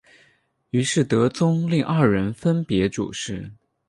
于是德宗令二人分别主事。